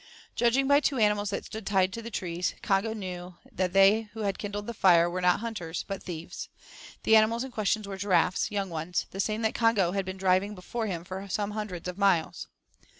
Judging by two animals that stood tied to the trees, Congo knew that they who had kindled the fire were not hunters, but thieves. The animals in question were giraffes, young ones, the same that Congo had been driving before him for some hundreds of miles.